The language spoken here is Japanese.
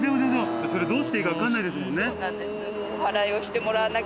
それどうしていいかわからないですもんね。